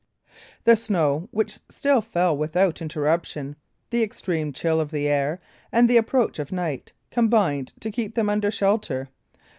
The snow, which still fell without interruption, the extreme chill of the air, and the approach of night, combined to keep them under shelter.